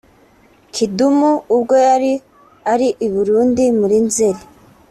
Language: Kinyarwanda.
Kidumu ubwo yari ari i Burundi muri Nzeli